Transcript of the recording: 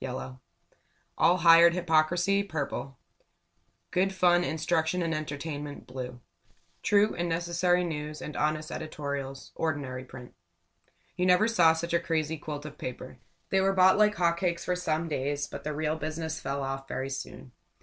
. .Yellow All hired hypocrisy. . .Purple Good fun, instruction and entertainment. . .Blue True and necessary news and honest editorials. . .Ordinary print You never saw such a crazy quilt of a paper. They were bought like hot cakes for some days; but the real business fell off very soon.